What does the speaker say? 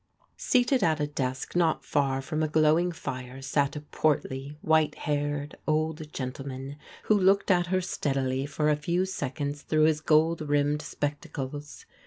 Seated at a desk not far from a glowing fire sat a portly, white haired old gentleman who looked at her steadily for a few seconds through his gold rimmed spec tacles.